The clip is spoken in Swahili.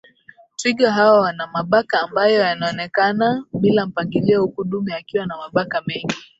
Twiga hawa wana mabaka ambayo yaonekana bila mpangilio huku dume akiwa na mabaka mengi